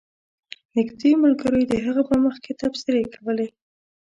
نږدې ملګرو یې د هغه په مخ کې تبصرې کولې.